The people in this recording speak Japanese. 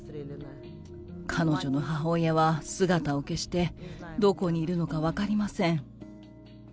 彼女の母親は姿を消して、どこにいるのか分かりません。